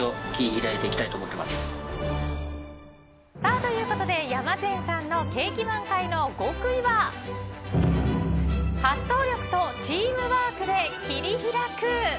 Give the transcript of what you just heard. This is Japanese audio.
ということで山善さんの景気満開の極意は発想力とチームワークで切拓く。